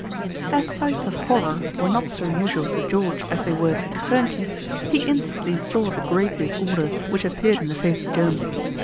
As sights of horror were not so usual to George as they were to the turnkey, he instantly saw the great disorder which appeared in the face of Jones.